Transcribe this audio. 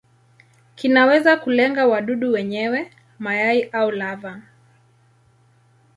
Kinaweza kulenga wadudu wenyewe, mayai au lava.